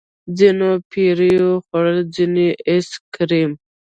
ځينو پيركي خوړل ځينو ايس کريم.